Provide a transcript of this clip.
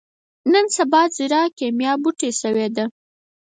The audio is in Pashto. نن سبا ځيره کېميا بوټی شوې ده.